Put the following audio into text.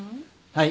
はい。